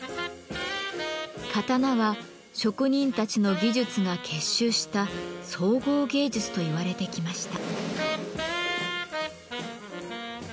刀は職人たちの技術が結集した「総合芸術」と言われてきました。